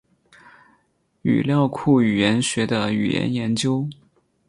语料库语言学的语言研究。